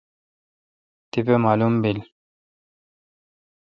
تیپہ معالم بیل۔